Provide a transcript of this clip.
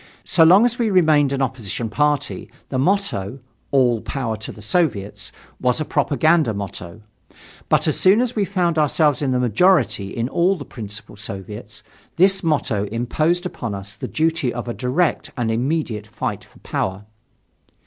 So long as we remained an opposition party, the motto all power to the Soviets was a propaganda motto. But as soon as we found ourselves in the majority in all the principal Soviets, this motto imposed upon us the duty of a direct and immediate fight for power.